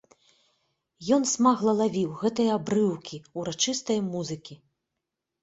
Ён смагла лавіў гэтыя абрыўкі ўрачыстае музыкі.